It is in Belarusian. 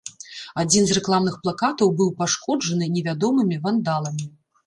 Адзін з рэкламных плакатаў быў пашкоджаны невядомымі вандаламі.